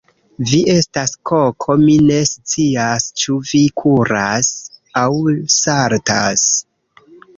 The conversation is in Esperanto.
Vi estas koko mi ne scias, ĉu vi kuras aŭ saltas